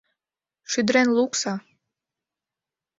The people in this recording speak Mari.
Шӱдырен лукса!..